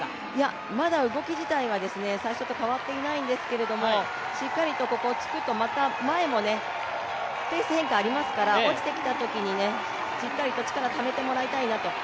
まだ動き自体は最初と変わっていないんですけど、しっかりとここをつくと、また前もペース変化があるので落ちてきたときに、しっかりと力をためてもらいたいなと。